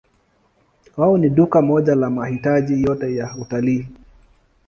Wao ni duka moja la mahitaji yote ya utalii.